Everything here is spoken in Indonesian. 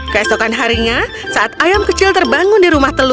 kesokan harinya saat ayam kecil terbangun di rumah telurnya